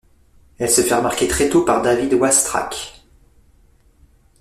Elle se fait remarquer très tôt par David Oistrakh.